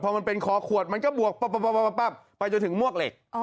พอมันเป็นคอขวดมันก็บวกไปจนถึงมวกเหล็ก